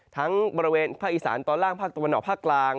ทั้งบริเวณภาคอีสานตอนล่างภาคตะวันออกภาคกลาง